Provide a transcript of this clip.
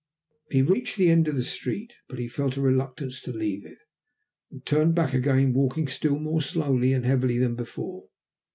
He reached the end of the street, but he felt a reluctance to leave it, and turned back again, walking still more slowly and heavily than before.